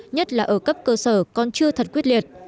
nhất là ở cấp cơ sở còn chưa thật quyết liệt